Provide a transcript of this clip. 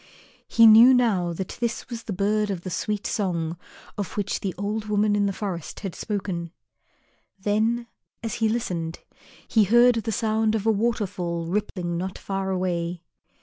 He knew now that this was the bird of the sweet song of which the old woman in the forest had spoken. Then, as he listened, he heard the sound of a waterfall rippling not far away.